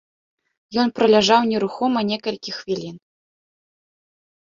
Ён праляжаў нерухома некалькі хвілін.